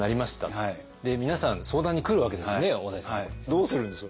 どうするんです？